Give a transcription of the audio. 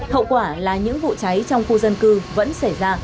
hậu quả là những vụ cháy trong khu dân cư vẫn xảy ra